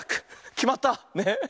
きまった。ね。